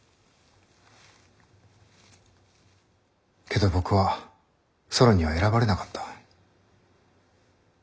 けど僕はソロンには選ばれなかった。